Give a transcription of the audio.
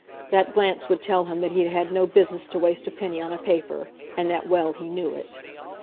That glance would tell him that he had had no business to waste a penny on a paper, and that well he knew it!